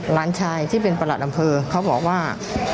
หลานชายที่เป็นประหลัดอำเภอเขาบอกว่า